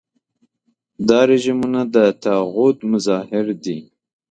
دا رژیمونه د طاغوت مظاهر دي.